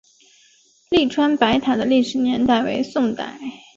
栗川白塔的历史年代为宋代。